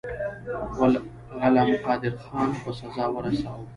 غلم قادرخان په سزا ورساوه.